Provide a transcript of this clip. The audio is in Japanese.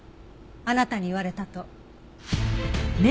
あなたに言われたと。